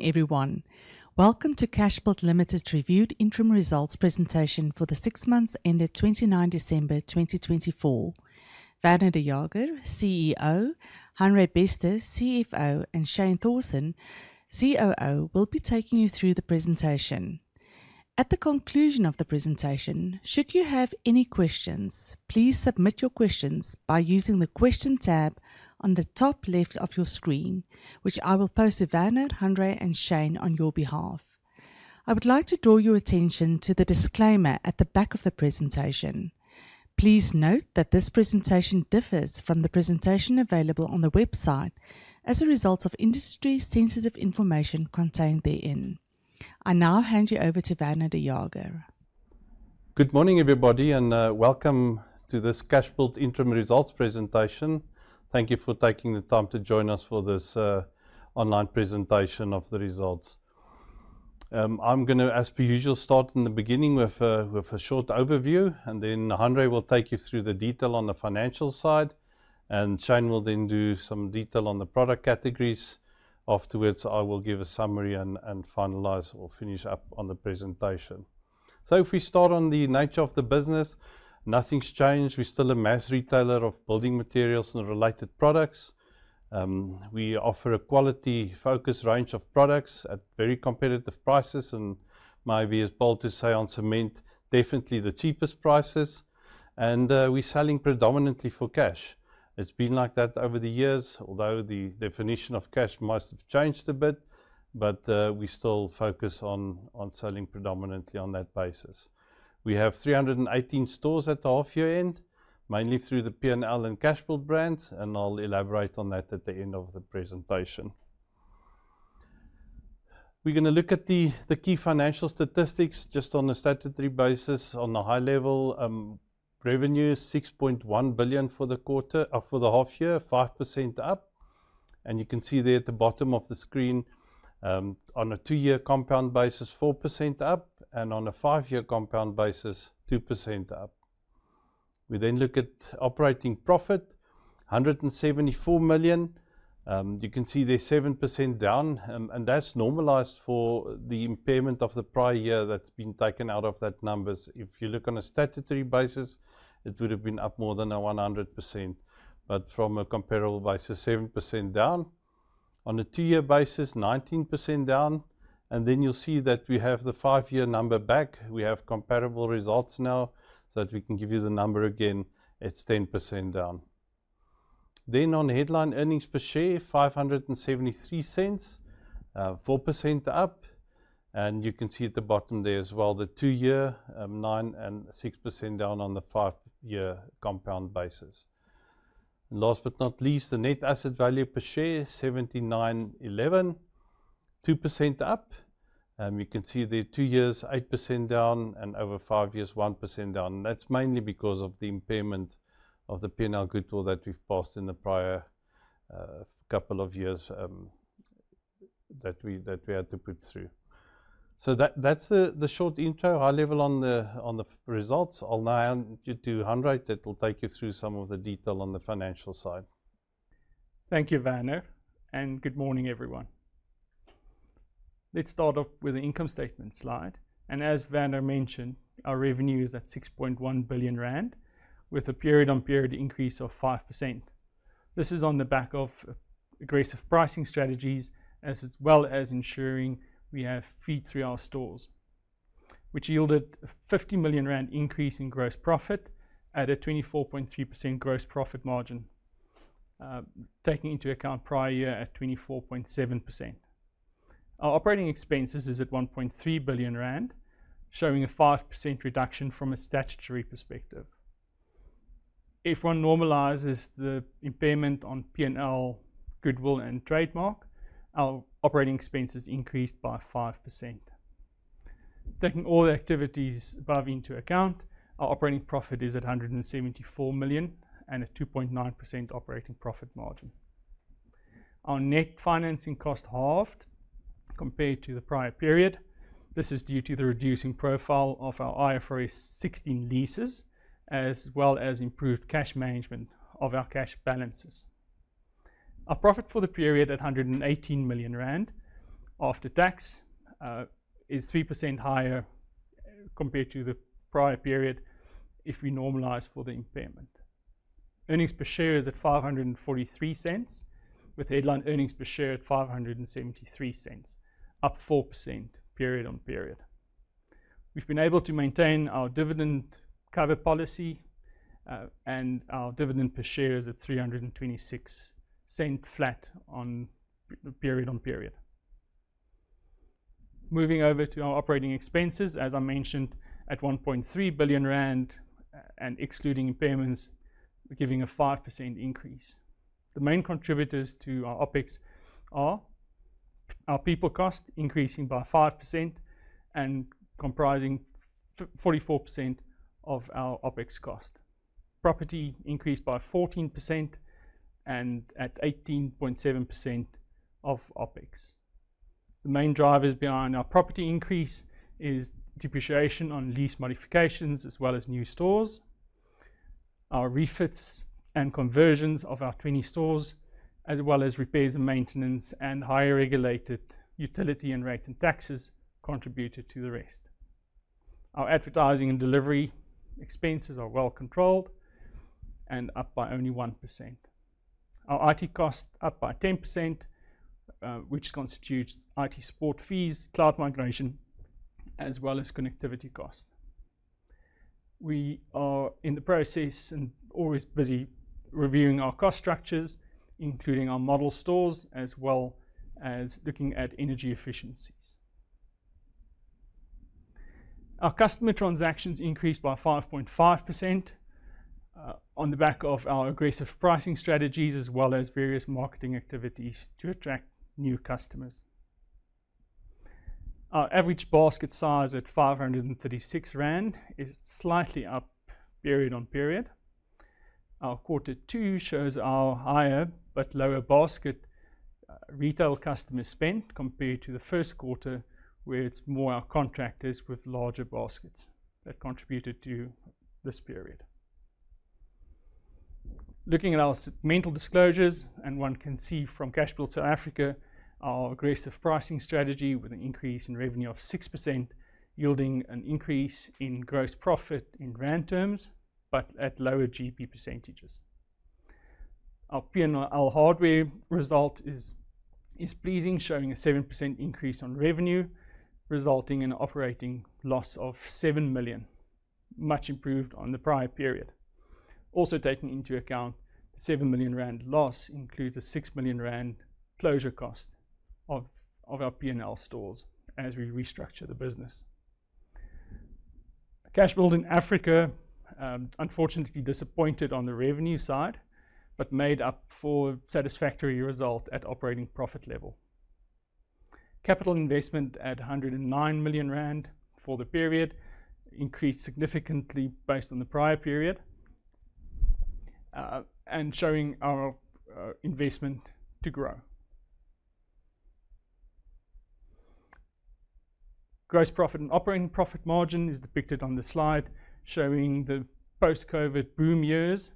Everyone, welcome to Cashbuild Ltd's Reviewed Interim Results Presentation for the six months ended 29 December 2024. Werner de Jager, CEO; Hanre Bester, CFO; and Shane Thoresson, COO, will be taking you through the presentation. At the conclusion of the presentation, should you have any questions, please submit your questions by using the Questions tab on the top left of your screen, which I will post to Werner, Hanre, and Shane on your behalf. I would like to draw your attention to the disclaimer at the back of the presentation. Please note that this presentation differs from the presentation available on the website as a result of industry-sensitive information contained therein. I now hand you over to Werner de Jager. Good morning, everybody, and welcome to this Cashbuild Interim Results Presentation. Thank you for taking the time to join us for this online presentation of the results. I'm going to, as per usual, start in the beginning with a short overview, and then Hanre will take you through the detail on the financial side, and Shane will then do some detail on the product categories. Afterwards, I will give a summary and finalize or finish up on the presentation. If we start on the nature of the business, nothing's changed. We're still a mass retailer of building materials and related products. We offer a quality-focused range of products at very competitive prices, and my view is bold to say on cement, definitely the cheapest prices. We're selling predominantly for cash. It's been like that over the years, although the definition of cash must have changed a bit, but we still focus on selling predominantly on that basis. We have 318 stores at the half-year end, mainly through the P&L and Cashbuild brands, and I'll elaborate on that at the end of the presentation. We're going to look at the key financial statistics just on a statutory basis. On the high level, revenue is 6.1 billion for the half-year, 5% up. You can see there at the bottom of the screen, on a two-year compound basis, 4% up, and on a five-year compound basis, 2% up. We then look at operating profit, 174 million. You can see there's 7% down, and that's normalized for the impairment of the prior year that's been taken out of that numbers. If you look on a statutory basis, it would have been up more than 100%, but from a comparable basis, 7% down. On a two-year basis, 19% down. You will see that we have the five-year number back. We have comparable results now, so that we can give you the number again. It is 10% down. On headline earnings per share, 573 cents, 4% up. You can see at the bottom there as well, the two-year, 9% and 6% down on the five-year compound basis. Last but not least, the net asset value per share, 79.11, 2% up. You can see there two years 8% down and over five years 1% down. That is mainly because of the impairment of the P&L goodwill that we have passed in the prior couple of years that we had to put through. That is the short intro. High level on the results. I'll now hand you to Hanre that will take you through some of the detail on the financial side. Thank you, Werner, and good morning, everyone. Let's start off with the income statement slide. As Werner mentioned, our revenue is at 6.1 billion rand, with a period-on-period increase of 5%. This is on the back of aggressive pricing strategies, as well as ensuring we have feed through our stores, which yielded a 50 million rand increase in gross profit at a 24.3% gross profit margin, taking into account prior year at 24.7%. Our operating expenses is at 1.3 billion rand, showing a 5% reduction from a statutory perspective. If one normalizes the impairment on P&L, goodwill, and trademark, our operating expenses increased by 5%. Taking all the activities above into account, our operating profit is at 174 million and a 2.9% operating profit margin. Our net financing cost halved compared to the prior period. This is due to the reducing profile of our IFRS 16 leases, as well as improved cash management of our cash balances. Our profit for the period at 118 million rand after tax is 3% higher compared to the prior period if we normalize for the impairment. Earnings per share is at 5.43, with headline earnings per share at 5.73, up 4% period-on-period. We've been able to maintain our dividend cover policy and our dividend per share is at 3.26 flat on period-on-period. Moving over to our operating expenses, as I mentioned, at 1.3 billion rand and excluding impairments, giving a 5% increase. The main contributors to our OpEx are our people cost increasing by 5% and comprising 44% of our OpEx cost. Property increased by 14% and at 18.7% of OpEx. The main drivers behind our property increase is depreciation on lease modifications as well as new stores. Our refits and conversions of our 20 stores, as well as repairs and maintenance and higher regulated utility and rates and taxes contributed to the rest. Our advertising and delivery expenses are well controlled and up by only 1%. Our IT cost up by 10%, which constitutes IT support fees, cloud migration, as well as connectivity cost. We are in the process and always busy reviewing our cost structures, including our model stores, as well as looking at energy efficiencies. Our customer transactions increased by 5.5% on the back of our aggressive pricing strategies, as well as various marketing activities to attract new customers. Our average basket size at 536 rand is slightly up period-on-period. Our quarter two shows our higher but lower basket retail customer spend compared to the first quarter, where it's more our contractors with larger baskets that contributed to this period. Looking at our segmental disclosures, and one can see from Cashbuild to Africa, our aggressive pricing strategy with an increase in revenue of 6% yielding an increase in gross profit in ZAR terms, but at lower GP percentages. Our P&L Hardware result is pleasing, showing a 7% increase on revenue, resulting in an operating loss of 7 million, much improved on the prior period. Also taking into account, the 7 million rand loss includes a 6 million rand closure cost of our P&L stores as we restructure the business. Cashbuild in Africa, unfortunately, disappointed on the revenue side, but made up for a satisfactory result at operating profit level. Capital investment at 109 million rand for the period increased significantly based on the prior period, and showing our investment to grow. Gross profit and operating profit margin is depicted on the slide, showing the post-COVID boom years,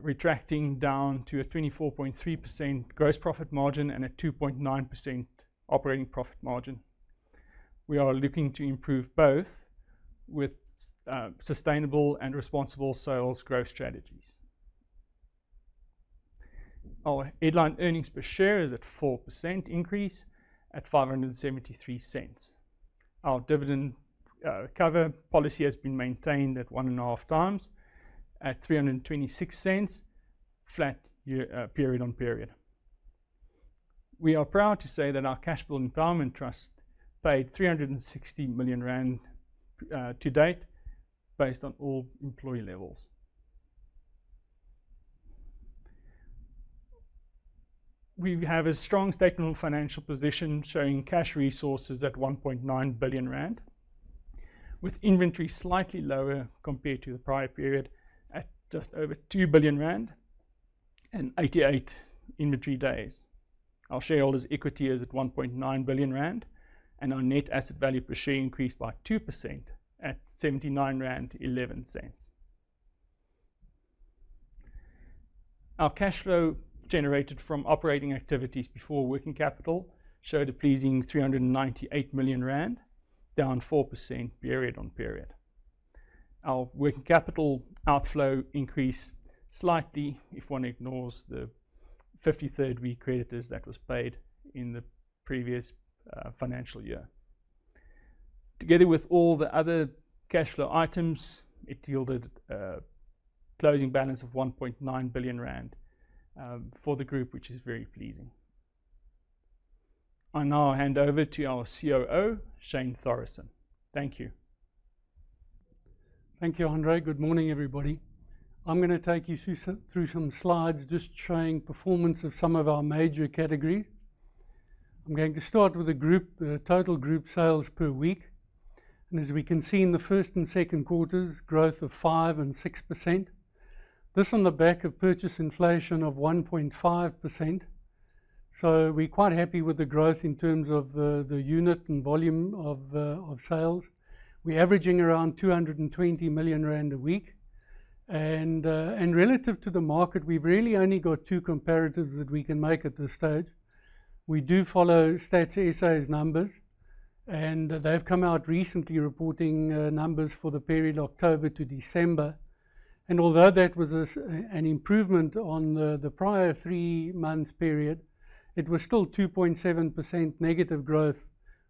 retracting down to a 24.3% gross profit margin and a 2.9% operating profit margin. We are looking to improve both with sustainable and responsible sales growth strategies. Our headline earnings per share is at 4% increase at 573 cents. Our dividend cover policy has been maintained at one and a half times at 326 cents, flat period-on-period. We are proud to say that our Cashbuild Empowerment Trust paid 360 million rand to date based on all employee levels. We have a strong statemental financial position showing cash resources at 1.9 billion rand, with inventory slightly lower compared to the prior period at just over 2 billion rand and 88 inventory days. Our shareholders' equity is at 1.9 billion rand, and our net asset value per share increased by 2% at 7911 cents. Our cash flow generated from operating activities before working capital showed a pleasing 398 million rand, down 4% period-on-period. Our working capital outflow increased slightly if one ignores the 53rd week creditors that was paid in the previous financial year. Together with all the other cash flow items, it yielded a closing balance of 1.9 billion rand for the group, which is very pleasing. I now hand over to our COO, Shane Thoresson. Thank you. Thank you, Hanre. Good morning, everybody. I'm going to take you through some slides just showing performance of some of our major categories. I'm going to start with the total group sales per week. As we can see in the first and second quarters, growth of 5% and 6%. This is on the back of purchase inflation of 1.5%. We're quite happy with the growth in terms of the unit and volume of sales. We're averaging around 220 million rand a week. Relative to the market, we've really only got two comparatives that we can make at this stage. We do follow Stats SA's numbers, and they've come out recently reporting numbers for the period October to December. Although that was an improvement on the prior three months period, it was still 2.7% negative growth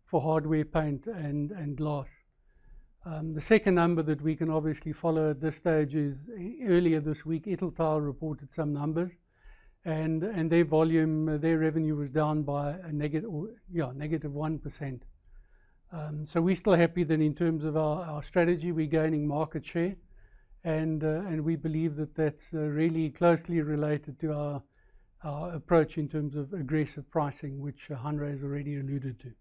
for hardware, paint, and glass. The second number that we can obviously follow at this stage is earlier this week, Italtile reported some numbers, and their volume, their revenue was down by a negative 1%. We are still happy that in terms of our strategy, we are gaining market share, and we believe that is really closely related to our approach in terms of aggressive pricing, which Hanre has already alluded to.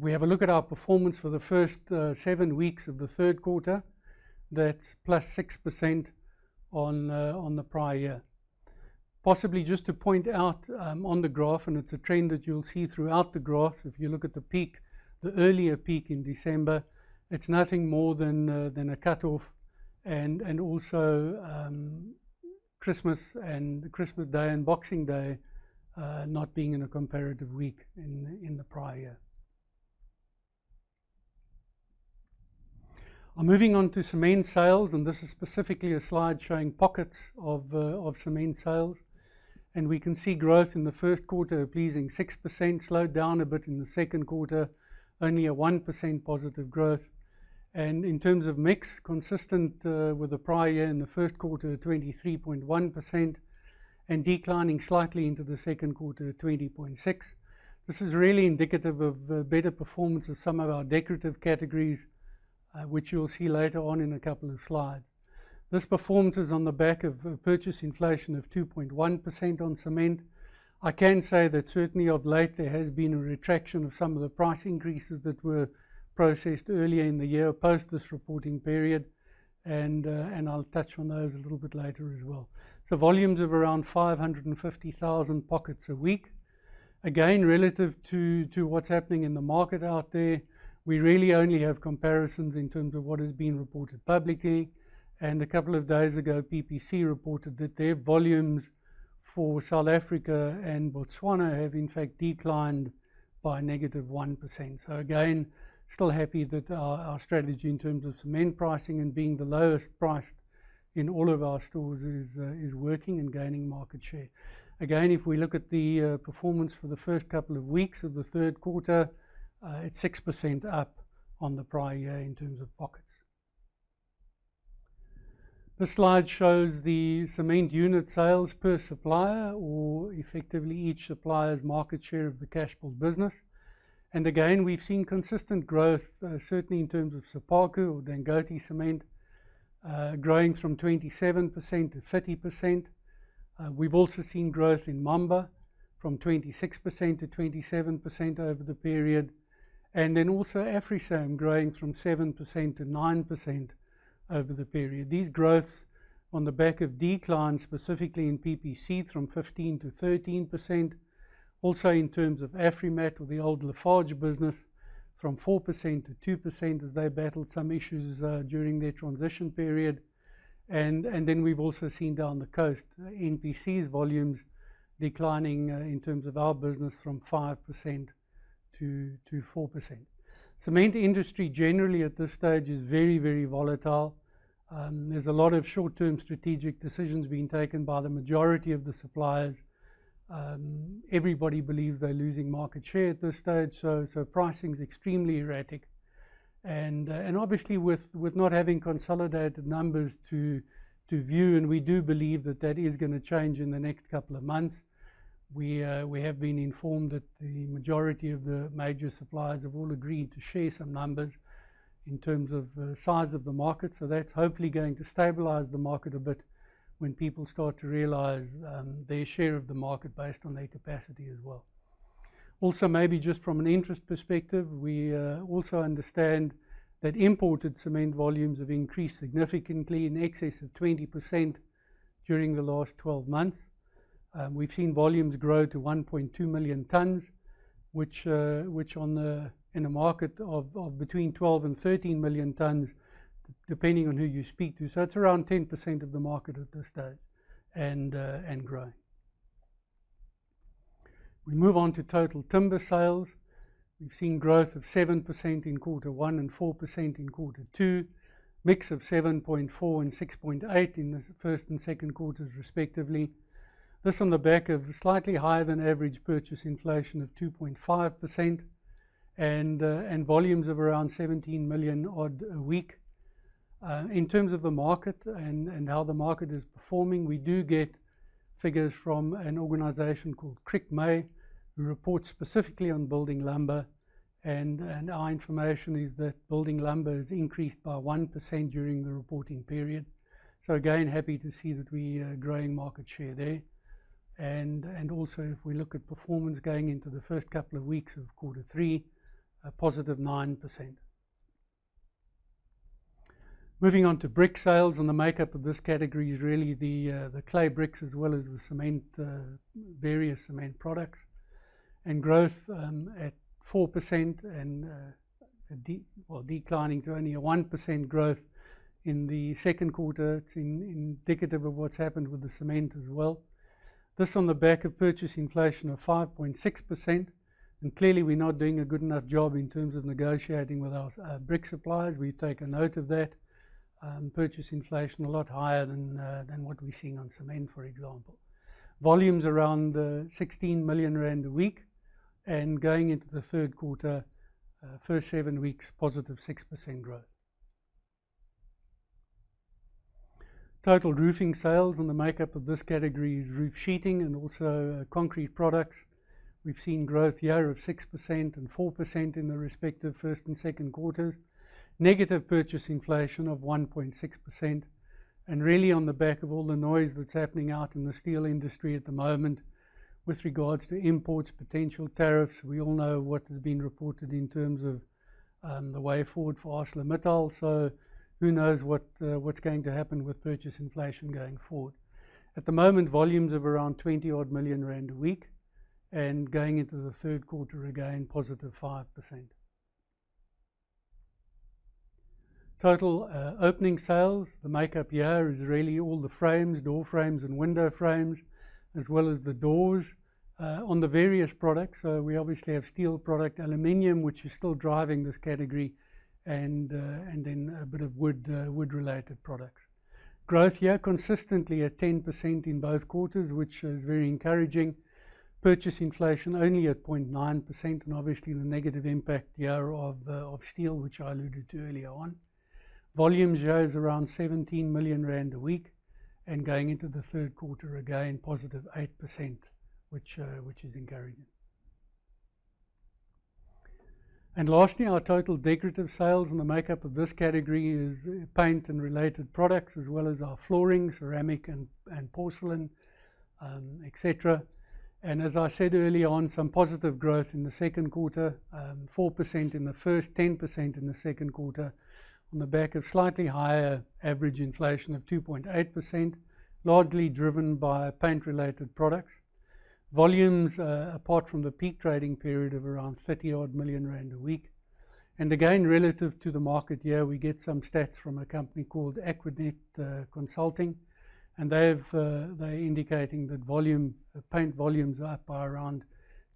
We have a look at our performance for the first seven weeks of the third quarter. That is plus 6% on the prior year. Possibly just to point out on the graph, and it is a trend that you will see throughout the graph, if you look at the peak, the earlier peak in December, it is nothing more than a cutoff. Also, Christmas and Christmas Day and Boxing Day not being in a comparative week in the prior year. I'm moving on to cement sales, and this is specifically a slide showing pockets of cement sales. We can see growth in the First Quarter, a pleasing 6%, slowed down a bit in the Second Quarter, only a 1% positive growth. In terms of mix, consistent with the prior year in the First Quarter, 23.1%, and declining slightly into the Second Quarter, 20.6%. This is really indicative of better performance of some of our decorative categories, which you'll see later on in a couple of slides. This performance is on the back of purchase inflation of 2.1% on cement. I can say that certainly of late, there has been a retraction of some of the price increases that were processed earlier in the year post this reporting period. I'll touch on those a little bit later as well. Volumes of around 550,000 pockets a week. Again, relative to what's happening in the market out there, we really only have comparisons in terms of what has been reported publicly. A couple of days ago, PPC reported that their volumes for South Africa and Botswana have, in fact, declined by 1%. Still happy that our strategy in terms of cement pricing and being the lowest priced in all of our stores is working and gaining market share. If we look at the performance for the first couple of weeks of the Third Quarter, it's 6% up on the prior year in terms of pockets. This slide shows the cement unit sales per supplier, or effectively each supplier's market share of the Cashbuild business. We've seen consistent growth, certainly in terms of Dangote Cement, growing from 27%-30%. We've also seen growth in Mamba from 26%-27% over the period. Also Afrisam growing from 7%-9% over the period. These growths on the back of declines, specifically in PPC, from 15%-13%. Also in terms of Afrimat or the old Lafarge business, from 4%-2% as they battled some issues during their transition period. We've also seen down the coast, NPC's volumes declining in terms of our business from 5%-4%. Cement industry generally at this stage is very, very volatile. There's a lot of short-term strategic decisions being taken by the majority of the suppliers. Everybody believes they're losing market share at this stage. Pricing's extremely erratic. Obviously, with not having consolidated numbers to view, and we do believe that that is going to change in the next couple of months, we have been informed that the majority of the major suppliers have all agreed to share some numbers in terms of size of the market. That is hopefully going to stabilize the market a bit when people start to realize their share of the market based on their capacity as well. Also, maybe just from an interest perspective, we also understand that imported cement volumes have increased significantly in excess of 20% during the last 12 months. We have seen volumes grow to 1.2 million tons, which on the market of between 12-13 million tons, depending on who you speak to. It is around 10% of the market at this stage and growing. We move on to total timber sales. We've seen growth of 7% in quarter one and 4% in quarter two, mix of 7.4 and 6.8 in the first and second quarters respectively. This on the back of slightly higher than average purchase inflation of 2.5% and volumes of around 17 million odd a week. In terms of the market and how the market is performing, we do get figures from an organization called Crickmay, who reports specifically on building lumber. Our information is that building lumber has increased by 1% during the reporting period. Again, happy to see that we are growing market share there. Also, if we look at performance going into the first couple of weeks of quarter three, a positive 9%. Moving on to brick sales. The makeup of this category is really the clay bricks as well as the cement, various cement products. Growth at 4% and declining to only a 1% growth in the Second Quarter. It is indicative of what has happened with the cement as well. This is on the back of purchase inflation of 5.6%. Clearly, we are not doing a good enough job in terms of negotiating with our brick suppliers. We take note of that. Purchase inflation is a lot higher than what we are seeing on cement, for example. Volumes are around 16 million rand a week. Going into the Third Quarter, first seven weeks, positive 6% growth. Total roofing sales on the makeup of this category is roof sheeting and also concrete products. We have seen growth here of 6% and 4% in the respective first and second quarters. Negative purchase inflation of 1.6%. Really, on the back of all the noise that's happening out in the steel industry at the moment, with regards to imports, potential tariffs, we all know what has been reported in terms of the way forward for ArcelorMittal. Who knows what's going to happen with purchase inflation going forward. At the moment, volumes of around 20 million rand a week. Going into the Third Quarter again, positive 5%. Total opening sales, the makeup here is really all the frames, door frames and window frames, as well as the doors on the various products. We obviously have steel product, aluminium, which is still driving this category, and then a bit of wood-related products. Growth here consistently at 10% in both quarters, which is very encouraging. Purchase inflation only at 0.9%. Obviously, the negative impact here of steel, which I alluded to earlier on. Volume shows around 17 million rand a week. Going into the Third Quarter again, positive 8%, which is encouraging. Lastly, our total decorative sales on the makeup of this category is paint and related products, as well as our flooring, ceramic and porcelain, etc. As I said earlier on, some positive growth in the second quarter, 4% in the first, 10% in the second quarter, on the back of slightly higher average inflation of 2.8%, largely driven by paint-related products. Volumes, apart from the peak trading period of around 30 million rand a week. Again, relative to the market year, we get some stats from a company called Aquanet Consulting. They are indicating that paint volumes are up by around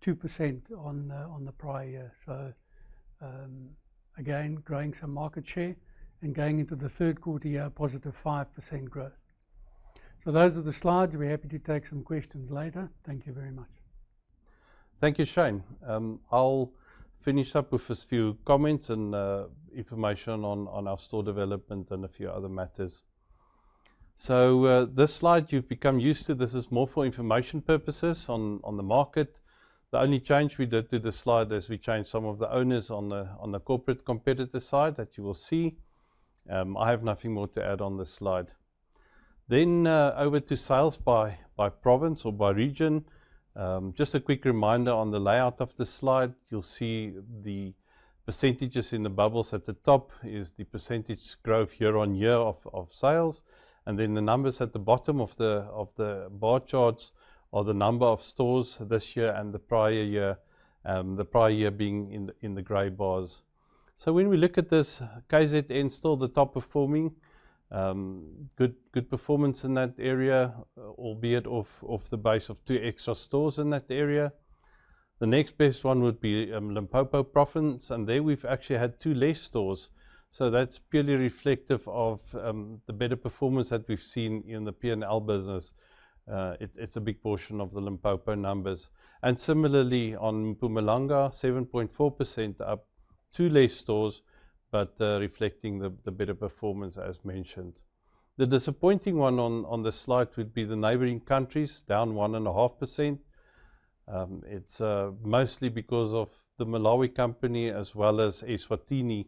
2% on the prior year. Again, growing some market share. Going into the Third Quarter here, positive 5% growth. Those are the slides. We're happy to take some questions later. Thank you very much. Thank you, Shane. I'll finish up with a few comments and information on our store development and a few other matters. This slide you have become used to, this is more for information purposes on the market. The only change we did to this slide is we changed some of the owners on the corporate competitor side that you will see. I have nothing more to add on this slide. Over to sales by province or by region. Just a quick reminder on the layout of this slide. You'll see the percentage in the bubbles at the top is the percentage growth year-on-year of sales. The numbers at the bottom of the bar charts are the number of stores this year and the prior year, the prior year being in the gray bars. When we look at this, KZN is still the top performing. Good performance in that area, albeit off the base of two extra stores in that area. The next best one would be Limpopo Province. There we've actually had two less stores. That's purely reflective of the better performance that we've seen in the P&L business. It's a big portion of the Limpopo numbers. Similarly on Mpumalanga, 7.4% up, two less stores, but reflecting the better performance as mentioned. The disappointing one on the slide would be the neighboring countries down 1.5%. It's mostly because of the Malawi company as well as Eswatini.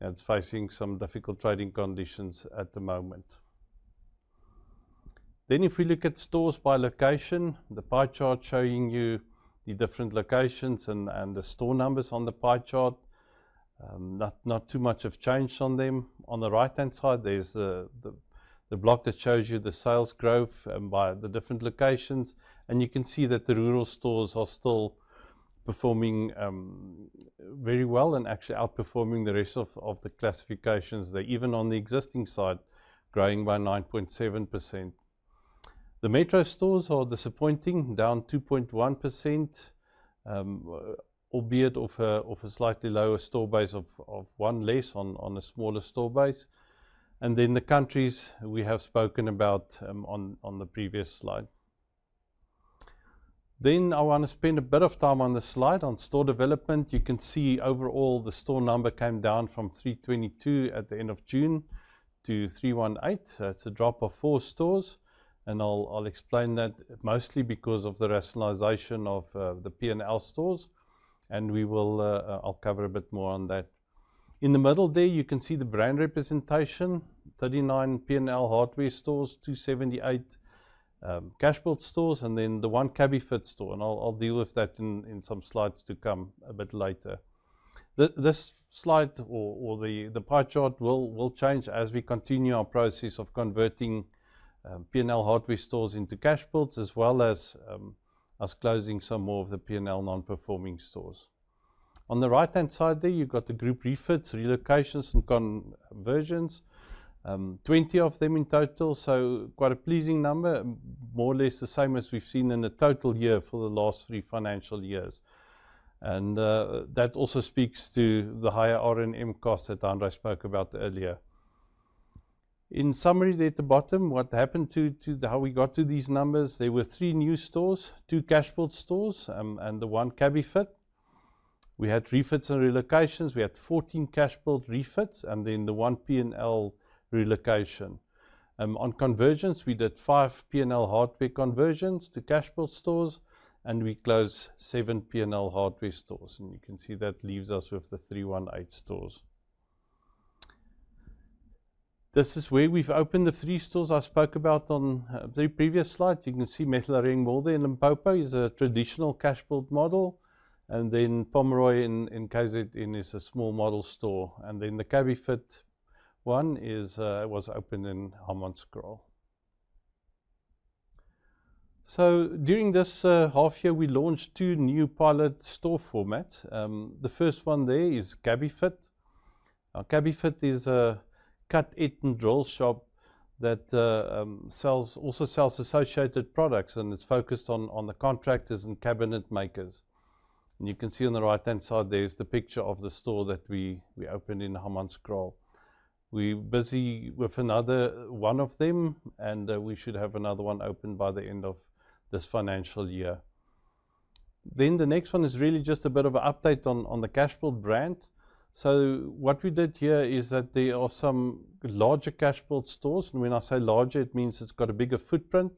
It's facing some difficult trading conditions at the moment. If we look at stores by location, the pie chart showing you the different locations and the store numbers on the pie chart. Not too much of change on them. On the right-hand side, there's the block that shows you the sales growth by the different locations. You can see that the rural stores are still performing very well and actually outperforming the rest of the classifications. They're even on the existing side, growing by 9.7%. The metro stores are disappointing, down 2.1%, albeit off a slightly lower store base of one less on a smaller store base. The countries we have spoken about on the previous slide. I want to spend a bit of time on this slide on store development. You can see overall the store number came down from 322 at the end of June to 318. It is a drop of four stores. I'll explain that mostly because of the rationalization of the P&L Hardware stores. I'll cover a bit more on that. In the middle there, you can see the brand representation, 39 P&L Hardware stores, 278 Cashbuild stores, and then the one Cabi-Fit store. I'll deal with that in some slides to come a bit later. This slide or the pie chart will change as we continue our process of converting P&L Hardware stores into Cashbuild, as well as us closing some more of the P&L non-performing stores. On the right-hand side there, you've got the group refits, relocations, and conversions. 20 of them in total. Quite a pleasing number, more or less the same as we've seen in a total year for the last three financial years. That also speaks to the higher R&M costs that Hanre spoke about earlier. In summary there at the bottom, what happened to how we got to these numbers? There were three new stores, two Cashbuild stores, and the one Cabi-Fit. We had refits and relocations. We had 14 Cashbuild refits, and then the one P&L relocation. On conversions, we did five P&L Hardware conversions to Cashbuild stores, and we closed seven P&L Hardware stores. You can see that leaves us with the 318 stores. This is where we have opened the three stores I spoke about on the previous slide. You can see Mettler Ringmore there in Limpopo. It is a traditional Cashbuild model. Pomeroy in KwaZulu-Natal is a small model store. The Cabi-Fit one was opened in Hammanskraal. During this half year, we launched two new pilot store formats. The first one there is Cabi-Fit. Cabi-Fit is a cut, edge and drill shop that also sells associated products, and it's focused on the contractors and cabinet makers. You can see on the right-hand side, there's the picture of the store that we opened in Hammanskraal. We're busy with another one of them, and we should have another one opened by the end of this financial year. The next one is really just a bit of an update on the Cashbuild brand. What we did here is that there are some larger Cashbuild stores. When I say larger, it means it's got a bigger footprint.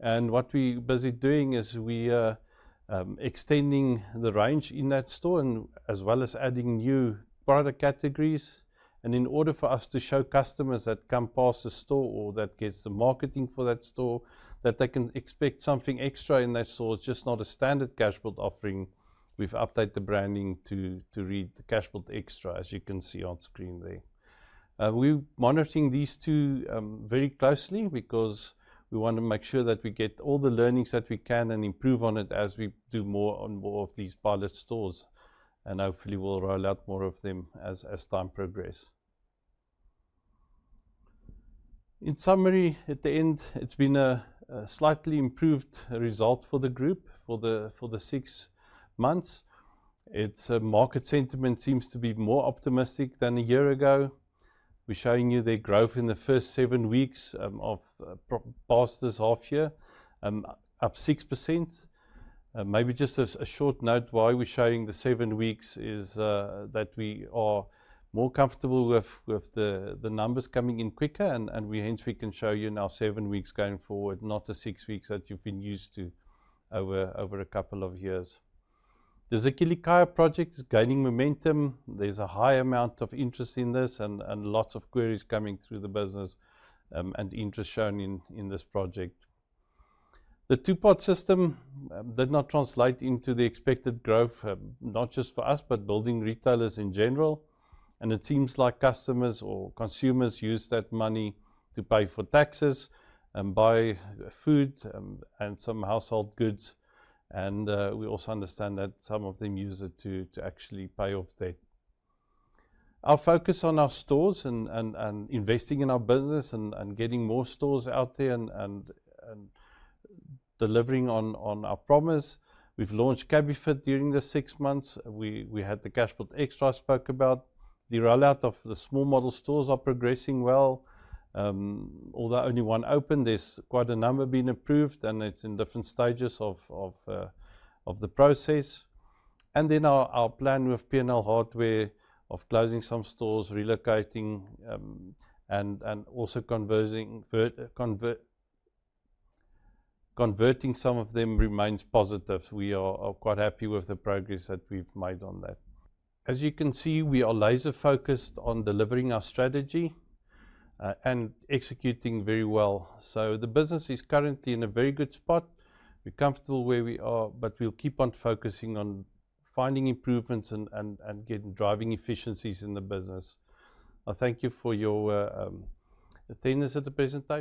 What we're busy doing is we're extending the range in that store, as well as adding new product categories. In order for us to show customers that come past the store or that get the marketing for that store, that they can expect something extra in that store, it's just not a standard Cashbuild offering. We've updated the branding to read Cashbuild Extra, as you can see on screen there. We're monitoring these two very closely because we want to make sure that we get all the learnings that we can and improve on it as we do more and more of these pilot stores. Hopefully, we'll roll out more of them as time progresses. In summary, at the end, it's been a slightly improved result for the group for the six months. Market sentiment seems to be more optimistic than a year ago. We're showing you their growth in the first seven weeks of past this half year, up 6%. Maybe just a short note why we're showing the seven weeks is that we are more comfortable with the numbers coming in quicker. Hence, we can show you now seven weeks going forward, not the six weeks that you've been used to over a couple of years. The Sakhekhaya Project is gaining momentum. There's a high amount of interest in this and lots of queries coming through the business and interest shown in this project. The two-pot system did not translate into the expected growth, not just for us, but building retailers in general. It seems like customers or consumers use that money to pay for taxes and buy food and some household goods. We also understand that some of them use it to actually pay off debt. Our focus on our stores and investing in our business and getting more stores out there and delivering on our promise. We've launched Cabi-Fit during the six months. We had the cash pool extra I spoke about. The rollout of the small model stores are progressing well. Although only one opened, there's quite a number being approved, and it's in different stages of the process. Our plan with P&L Hardware of closing some stores, relocating, and also converting some of them remains positive. We are quite happy with the progress that we've made on that. As you can see, we are laser-focused on delivering our strategy and executing very well. The business is currently in a very good spot. We're comfortable where we are, but we'll keep on focusing on finding improvements and driving efficiencies in the business. Thank you for your attendance at the presentation.